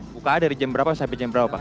bukaan dari jam berapa sampai jam berapa pak